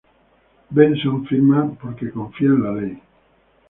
Benson firma porque confía en la ley.